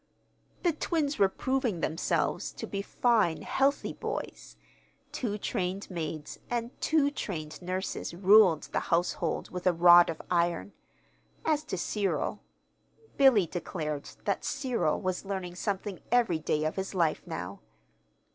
The twins were proving themselves to be fine, healthy boys. Two trained maids, and two trained nurses ruled the household with a rod of iron. As to Cyril Billy declared that Cyril was learning something every day of his life now.